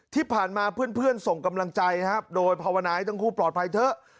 ที่ผ่านมาเพื่อนส่งกำลังใจครับโดยภาวนาให้ทั้งคู่ปลอดภัยเถอะ